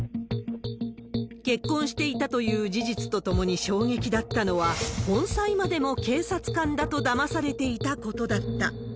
結婚していたという事実とともに衝撃だったのは、本妻までも警察官だとだまされていたことだった。